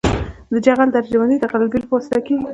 د جغل درجه بندي د غلبیل په واسطه کیږي